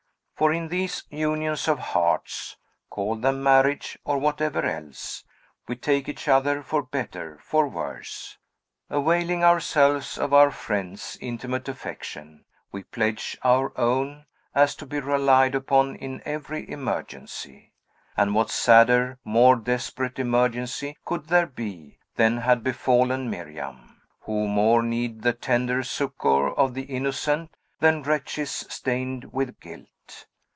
For, in these unions of hearts, call them marriage, or whatever else, we take each other for better for worse. Availing ourselves of our friend's intimate affection, we pledge our own, as to be relied upon in every emergency. And what sadder, more desperate emergency could there be, than had befallen Miriam? Who more need the tender succor of the innocent, than wretches stained with guilt!